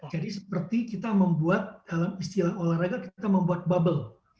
jadi seperti kita membuat dalam istilah olahraga kita membuat bubble